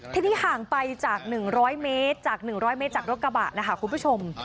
ที่ห่างไปจาก๑๐๐เมตรจากรถกระบะนะคะคุณผู้ชม